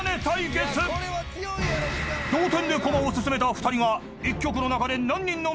［同点で駒を進めた２人が］